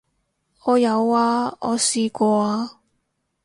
我有啊，我試過啊